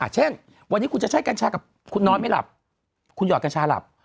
เช่นวันนี้คุณจะใช้กัญชากับคุณนอนไม่หลับคุณหอดกัญชาหลับ